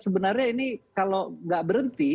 sebenarnya ini kalau nggak berhenti